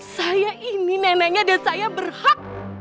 saya ini neneknya dan saya berhak